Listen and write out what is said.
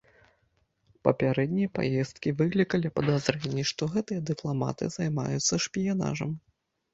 Папярэднія паездкі выклікалі падазрэнні, што гэтыя дыпламаты займаюцца шпіянажам.